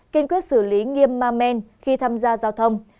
kiên quyết xử lý nghiêm ma men khi tham gia giao thông